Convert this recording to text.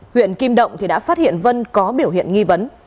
huyện kim động đã phát hiện vân có biểu hiện nghi vấn